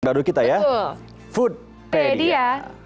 baru kita ya foodpedia